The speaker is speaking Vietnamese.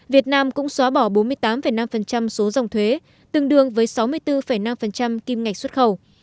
việt nam cũng xóa bỏ bốn mươi tám năm số dòng thuế tương đương với sáu mươi bốn năm kim ngạch xuất khẩu